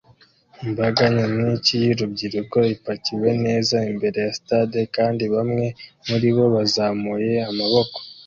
Imbaga nyamwinshi y'urubyiruko ipakiwe neza imbere ya stade kandi bamwe muribo bazamuye amaboko